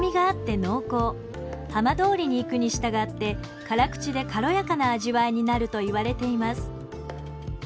浜通りに行くに従って辛口で軽やかな味わいになるといわれています。